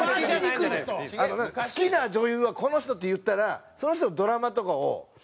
なんか好きな女優はこの人って言ったらその人のドラマとかを。